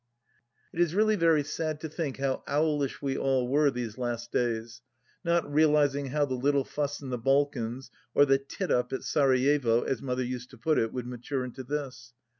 It is really very sad to think how owlish we all were these last days, not realizing how " the little fuss in the Balkans," or the " tit up at Sarajevo," as Mother used to put it, would mature into this